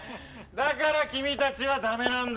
だから君たちはダメなんだ。